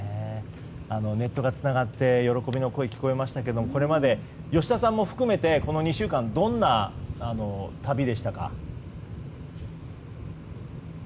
ネットがつながって喜びの声が聞こえましたがこれまで吉田さんも含めてこの２週間どんな旅でしたか？